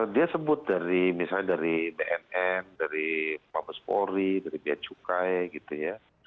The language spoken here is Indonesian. dia sebut dari misalnya dari bnn dari pabes polri dari bia cukai gitu ya